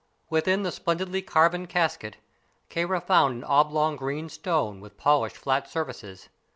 Within the splendidly carven casket Kāra found an oblong green stone, with polished flat surfaces.